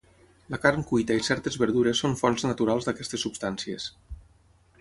La carn cuita i certes verdures són fonts naturals d'aquestes substàncies.